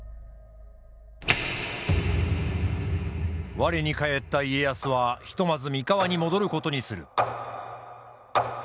我に返った家康はひとまず三河に戻ることにする。